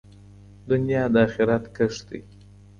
دنیا د آخرت کښت دی.